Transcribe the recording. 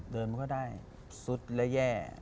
เดินมาก็ได้ซุดและแย่